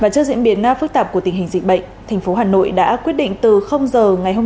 trước diễn biến phức tạp của tình hình dịch bệnh thành phố hà nội đã quyết định từ giờ ngày hôm